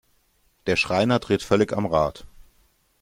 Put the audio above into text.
Der Schreiner dreht völlig am Rad.